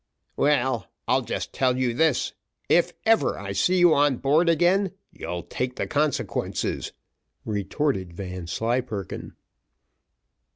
"Well, I'll just tell you this, if ever I see you on board again, you'll take the consequences," retorted Vanslyperken.